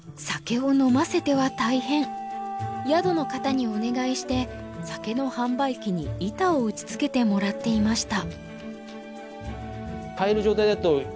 宿の方にお願いして酒の販売機に板を打ちつけてもらっていました。